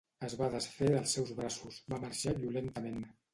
Es va desfer dels seus braços, va marxar violentament.